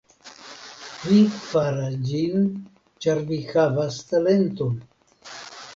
Vi faras ĝin ĉar vi havas talenton.